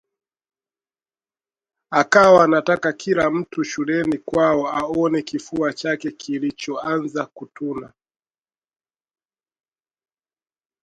Akawa anataka kila mtu shuleni kwao aone kifua chake kilichoanza kutuna